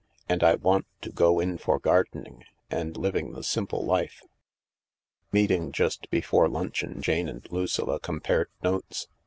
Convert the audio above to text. And I want to go in for gardening, and living the simple life." Meeting just before luncheon, Jane and Lucilla compared notes.